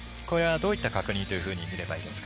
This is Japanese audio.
どういった確認というふうに見ればいいですか。